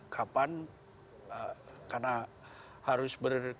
kapan karena harus berkejaran juga dengan